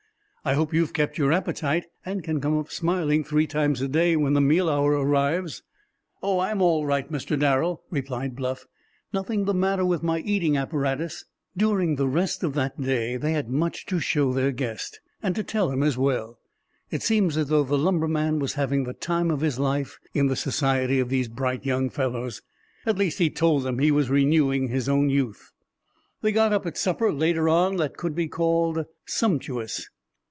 "I hope you've kept your appetite, and can come up smiling three times a day when the meal hour arrives?" "Oh, I'm all right, Mr. Darrel!" replied Bluff. "Nothing the matter with my eating apparatus." During the rest of that day they had much to show their guest—and to tell him, as well. It seemed as though the lumberman was having the time of his life in the society of these bright young fellows. At least, he told them he was renewing his own youth. They got up a supper later on that could be called sumptuous.